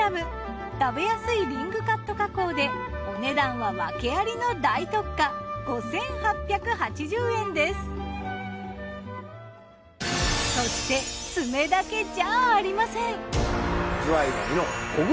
食べやすいリングカット加工でお値段は訳ありの大特価そして爪だけじゃありません。